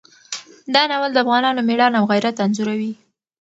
دا ناول د افغانانو مېړانه او غیرت انځوروي.